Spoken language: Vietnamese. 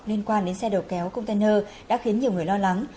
liên quan đến xe đầu kéo container đã khiến nhiều người lo lắng